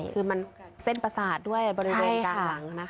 คือมันเส้นประสาทด้วยบริเวณกลางหลัง